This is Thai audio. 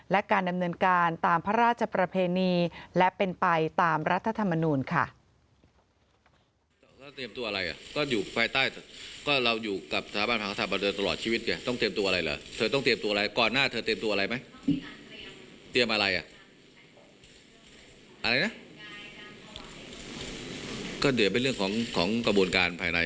และการดำเนินการตามพระราชประเพณีและเป็นไปตามรัฐธรรมนูลค่ะ